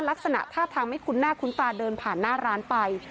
ลักษณะท่าทางไม่คุ้นหน้าคุ้นตาเดินผ่านหน้าร้านไป